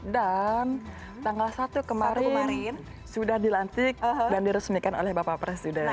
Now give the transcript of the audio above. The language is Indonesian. dan tanggal satu kemarin sudah dilantik dan diresmikan oleh bapak presiden